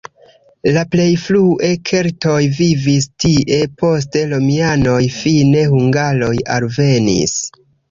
La plej frue keltoj vivis tie, poste romianoj, fine hungaroj alvenis.